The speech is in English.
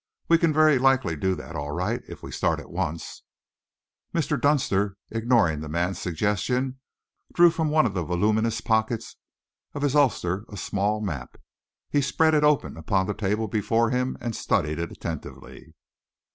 We can very likely do that all right, if we start at once." Mr. Dunster, ignoring the man's suggestion, drew from one of the voluminous pockets of his ulster a small map. He spread it open upon the table before him and studied it attentively.